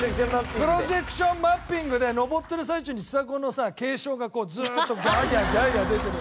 プロジェクションマッピングで登ってる最中にちさ子のさ警鐘がこうずっとギャーギャーギャーギャー出てる。